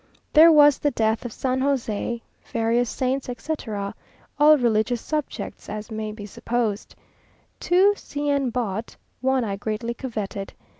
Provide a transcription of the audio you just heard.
There was the death of San José, various saints, etc., all religious subjects, as may be supposed. Two C n bought; one I greatly coveted.